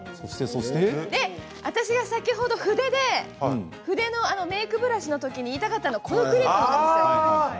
私が先ほど筆でメークブラシのときに言いたかったのはこのクリップですよ。